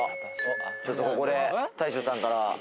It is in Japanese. ちょっとここで大昇さんから。